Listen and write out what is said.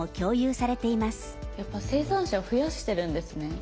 やっぱ生産者増やしてるんですね